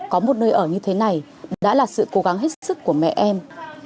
có một nơi ở như thế này đã là sự cố gắng hết sức của mẹ em